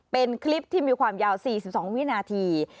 เป็นคลิปที่มีความยาว๔๒วินาที